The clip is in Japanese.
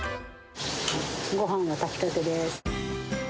ごはんも炊きたてです。